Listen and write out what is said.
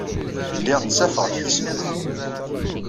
Lliɣ ttafeɣ-d tisebbiwin.